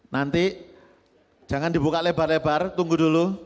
nanti jangan dibuka lebar lebar tunggu dulu